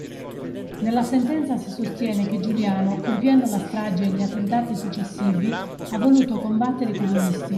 Nella sentenza si sostiene che Giuliano compiendo la strage e gli attentati successivi ha voluto combattere i comunisti